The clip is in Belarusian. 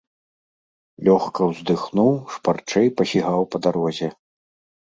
Лёгка ўздыхнуў, шпарчэй пасігаў па дарозе.